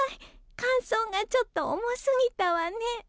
感想がちょっと重すぎたわね。